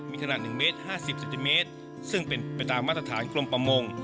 มีขนาด๑เมตร๕๐เซนติเมตรซึ่งเป็นไปตามมาตรฐานกรมประมง